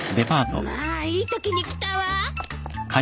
まあいいときに来たわ！